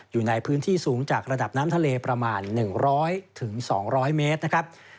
อยู่ในพื้นที่สูงจากระดับน้ำทะเลประมาณ๑๐๐๒๐๐เมตรนะครับ